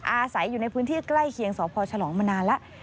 อาศัยอยู่ในพื้นที่ใกล้เคียงสพฉลองมานานแล้ว